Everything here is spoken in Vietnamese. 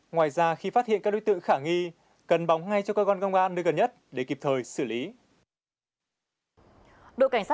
ngoài ra khi phát hiện các đối tượng khả nghi cần bóng ngay cho cơ quan công an nơi gần nhất để kịp thời xử lý